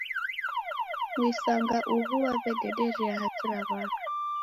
Muisanga uhuu wawedederia haki ra waka.